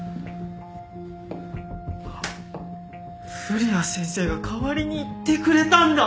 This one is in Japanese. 古谷先生が代わりに言ってくれたんだ！